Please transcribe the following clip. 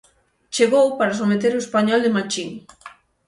Chegou para someter o Español de Machín.